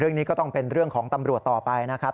เรื่องนี้ก็ต้องเป็นเรื่องของตำรวจต่อไปนะครับ